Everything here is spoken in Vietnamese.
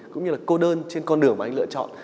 cũng như là cô đơn trên con đường mà anh lựa chọn